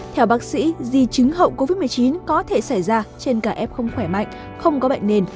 theo bác sĩ di chứng hậu covid một mươi chín có thể xảy ra trên cả f không khỏe mạnh không có bệnh nền